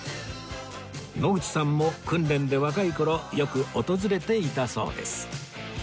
野口さんも訓練で若い頃よく訪れていたそうです